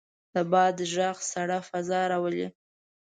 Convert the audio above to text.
د باد غږ سړه فضا راولي.